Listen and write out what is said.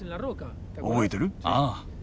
覚えてる？ああ。